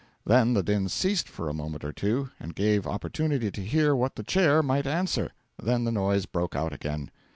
Then the din ceased for a moment or two, and gave opportunity to hear what the Chair might answer; then the noise broke out again.